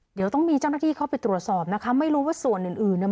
เดี๋ยวต้องมีเจ้าหน้าที่เข้าไปตรวจสอบนะคะไม่รู้ว่าส่วนอื่นอื่นเนี่ย